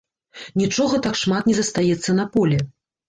Нічога так шмат не застаецца на полі.